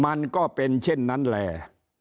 มันก็เป็นเช่นนั้นแหละ